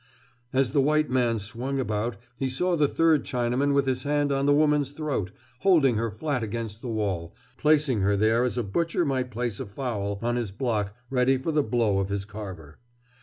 As the white man swung about he saw the third Chinaman with his hand on the woman's throat, holding her flat against the wall, placing her there as a butcher might place a fowl on his block ready for the blow of his carver.